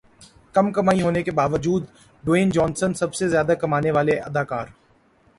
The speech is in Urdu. کم کمائی ہونے کے باوجود ڈیوائن جونسن سب سے زیادہ کمانے والے اداکار